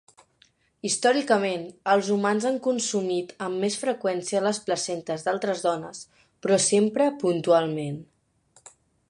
Històricament, els humans han consumit amb més freqüència les placentes d'altres dones, però sempre puntualment.